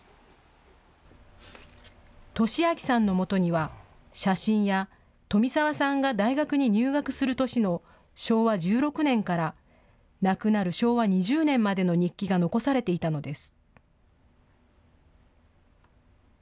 利章さんのもとには写真や富澤さんが大学に入学する年の昭和１６年から亡くなる昭和２０年までの日記が残されていたのです。